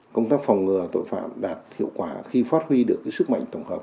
công tác phòng ngừa tội phạm đạt hiệu quả khi phát huy được sức mạnh tổng hợp